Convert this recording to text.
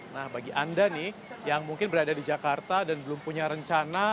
nah bagi anda nih yang mungkin berada di jakarta dan belum punya rencana